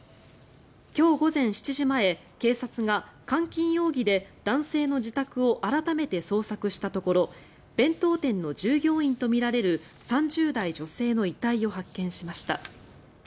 今日午前７時前、警察が監禁容疑で男性の自宅を改めて捜索したところ弁当店の従業員とみられる３０代女性の遺体を発見しました。